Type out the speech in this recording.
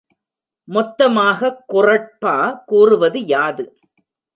மொத்தமாகக் குறட்பா கூறுவது யாது?